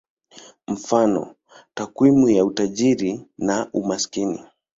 Mfano: takwimu ya utajiri na umaskini.